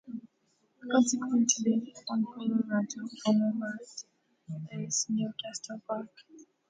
Consequently, on Colorado Boulevard is Newcastle Park.